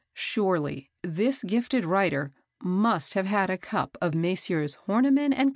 Surely this gifted writer must have had a cup of Messrs. Horniman and Co.